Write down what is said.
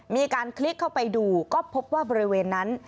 มีการคลิกเข้าไปดูก็พบว่าบริเวณนั้น